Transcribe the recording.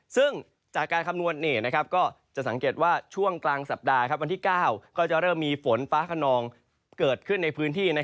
ซึ่งจากการคำนวณก็จะสังเกตว่าช่วงกลางสัปดาห์วันที่๙ก็จะเริ่มมีฝนฟ้าขนองเกิดขึ้นในพื้นที่